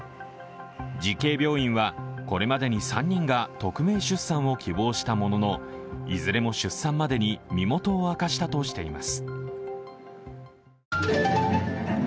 慈恵病院はこれまでに３人が匿名出産を希望したもののいずれも出産までに身元を明かしたとしています。